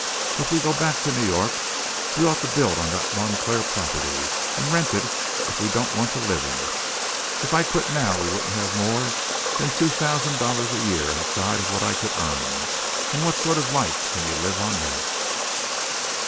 If we go back to New York we ought to build on that Montclair property, and rent it if we don't want to live in it. If I quit now we wouldn't have more than two thousand dollars a year outside of what I could earn, and what sort of a life can you live on that?"